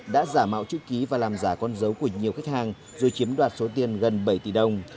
đã giả mạo chữ ký và làm giả con dấu của nhiều khách hàng rồi chiếm đoạt số tiền gần bảy tỷ đồng